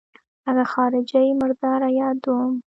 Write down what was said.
اگه خارجۍ مرداره يادوم.